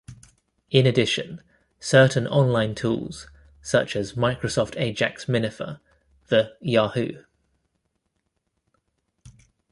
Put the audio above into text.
In addition, certain online tools, such as Microsoft Ajax Minifier, the Yahoo!